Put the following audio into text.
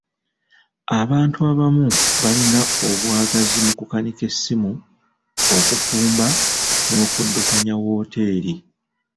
Abantu abamu baalina obwagazi mu kukanika essimu, okufumba, n'okuddukanya wooteeri.